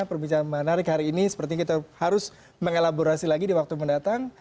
perbincangan menarik hari ini sepertinya kita harus mengelaborasi lagi di waktu mendatang